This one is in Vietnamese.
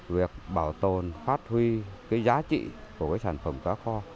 việc bảo tồn phát huy cái giá trị của cái sản phẩm cá kho